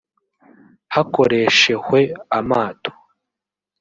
hakoreshehwe amato